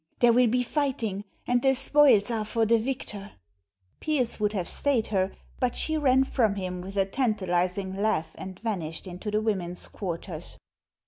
There will be fighting; and the spoils are for the victor." Pearse would have stayed her, but she ran from him with a tantalizing laugh and vanished into the women's quarters.